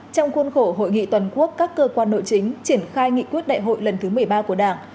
trong khuôn khổ hội nghị toàn quốc các cơ quan nội chính triển khai nghị quyết đại hội lần thứ một mươi ba của đảng